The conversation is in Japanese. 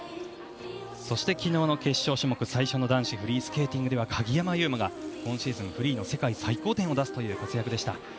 そして昨日の種目最初の男子フリースケーティングでは鍵山優真が今シーズンフリーの最高得点を出すという活躍でした。